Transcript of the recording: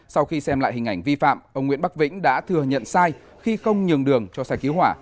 sau khi xem lại hình ảnh vi phạm ông nguyễn bắc vĩnh đã thừa nhận sai khi không nhường đường cho xe cứu hỏa